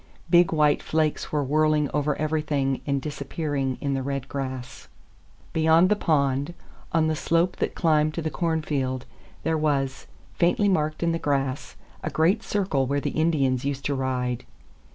Big white flakes were whirling over everything and disappearing in the red grass. Beyond the pond, on the slope that climbed to the cornfield, there was, faintly marked in the grass, a great circle where the Indians used to ride.